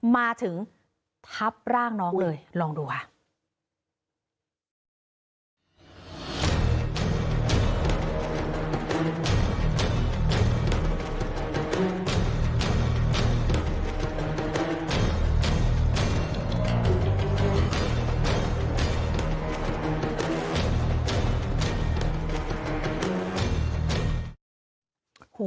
มาถึงทับร่างน้องเลยลองดูค่ะ